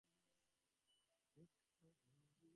আমি বললুম, তা হলে সে টাকা তারও নয়।